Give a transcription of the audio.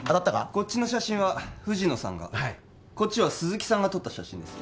こっちの写真は藤野さんがこっちは鈴木さんが撮った写真です